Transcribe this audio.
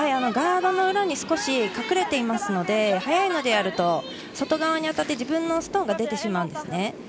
ガードの裏に少し隠れていますので速いのでやると外側に当たって自分のストーンが出てしまうんですね。